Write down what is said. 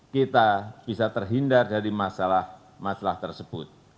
kita bisa terhindar dari masalah masalah tersebut